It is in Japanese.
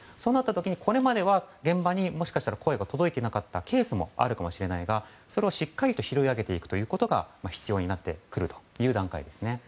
これまでは現場にもしかしたら声が届いていなかったケースもあるかもしれないがそれをしっかり拾い上げていくことが必要になってくる段階ですね。